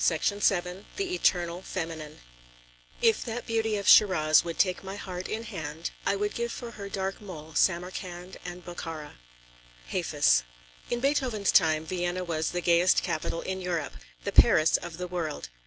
CHAPTER VI THE ETERNAL FEMININE If that beauty of Shiraz would take my heart in hand, I would give for her dark mole Samarkand and Bokhara. HAFIZ. In Beethoven's time, Vienna was the gayest capital in Europe, the Paris of the world.